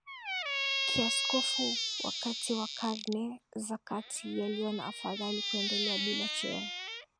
kiaskofu wakati wa karne za kati yaliona afadhali kuendelea bila cheo